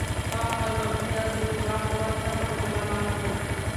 هغه خپل کمپیوټر په پوره قوت سره په ملا مات کړ.